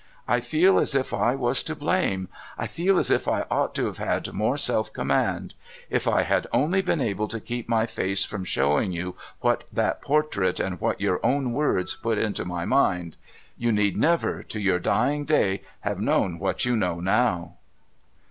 I feel as if I was to blame —■ I feel as if I ought to have had more self command. If I had only been able to keep my face from showing you what that portrait and what your own words put into my mind, you need never, to your dying day, have known what you know now.'